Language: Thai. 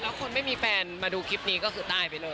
แล้วคนไม่มีแฟนมาดูคลิปนี้ก็คือตายไปเลย